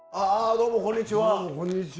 どうもこんにちは。